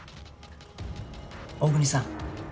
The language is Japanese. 大國さん。